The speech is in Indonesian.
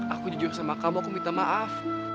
aku dijun sama kamu aku minta maaf